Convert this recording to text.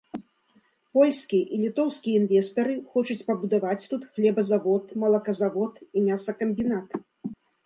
Польскія і літоўскія інвестары хочуць пабудаваць тут хлебазавод, малаказавод і мясакамбінат.